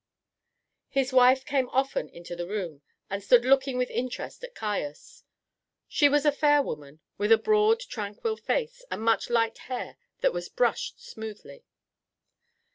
His wife came often into the room, and stood looking with interest at Caius. She was a fair woman, with a broad tranquil face and much light hair that was brushed smoothly.